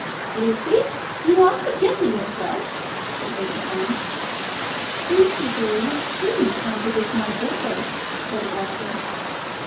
"Lucy, you are forgetting yourself," said Lady Fawn. "Lucy, dear, you shouldn't contradict my brother," said Augusta.